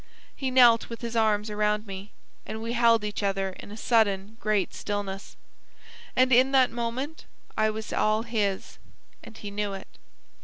He knelt with his arms around me, and we held each other in a sudden great stillness; and in that moment I was all his, and he knew it.